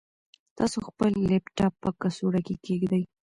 تاسو خپل لپټاپ په کڅوړه کې کېږدئ.